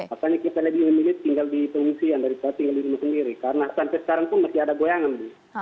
makanya kita lebih memilih tinggal di pengungsian daripada tinggal di rumah sendiri karena sampai sekarang pun masih ada goyangan bu